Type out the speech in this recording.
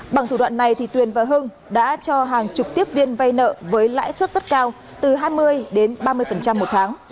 bằng thủ đoạn này tuyền và hưng đã cho hàng chục tiếp viên vay nợ với lãi suất rất cao từ hai mươi đến ba mươi một tháng